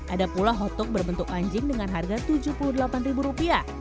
ada pula hottog berbentuk anjing dengan harga rp tujuh puluh delapan